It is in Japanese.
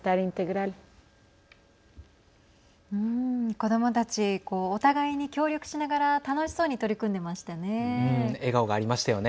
子どもたちお互いに協力しながら楽しそうに取り組んでいましたね。